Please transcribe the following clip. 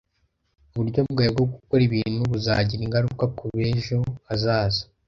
Uburyo bwawe bwo gukora ibintu buzagira ingaruka kubejo hazaza